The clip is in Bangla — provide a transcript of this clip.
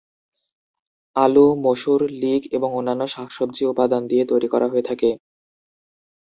আলু, মসুর, লিক এবং অন্যান্য শাকসবজি উপাদান দিয়ে তৈরি করা হয়ে থাকে।